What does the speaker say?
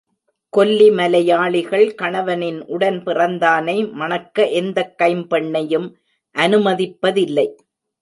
கொல்லி மலையாளிகள், கணவனின் உடன் பிறந்தானை மணக்க எந்தக் கைம்பெண்ணையும் அனுமதிப்பதில்லை.